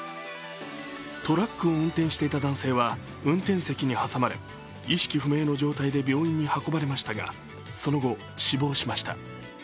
トラックを運転していた男性は、運転席に挟まれ意識不明の状態で病院に運ばれましたが、その後死亡しました。